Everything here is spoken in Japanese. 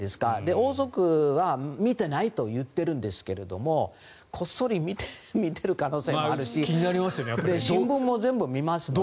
王族は見ていないと言っているんですけどこっそり見てる可能性もあるし新聞も全部見ますので。